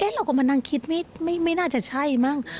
เราก็มานั่งคิดไม่น่าจะใช่มั้ง